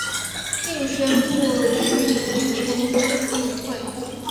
并宣布于演艺圈中隐退。